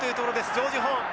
ジョージホーン。